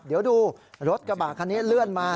เดี๋ยวดูรถกระบะคันนี้เลื่อนมา